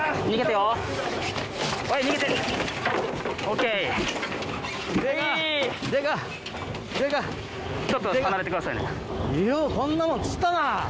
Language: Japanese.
ようこんなもん釣ったな！